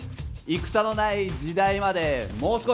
戦のない時代までもう少し！